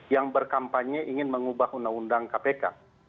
yang berkampanye ingin mengubah undang undang kpk